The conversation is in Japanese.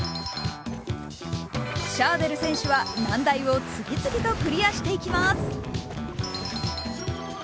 シャーデル選手は難題を次々とクリアしていきます。